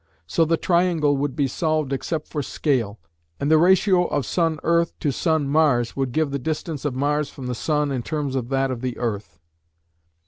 So the triangle could be solved except for scale, and the ratio of SE to SM would give the distance of Mars from the sun in terms of that of the earth.